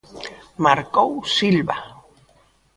Marcou Silva.